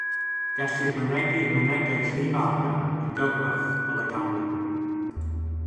Gellir mynegi'r mynegai llif arian yn gyfwerth fel a ganlyn.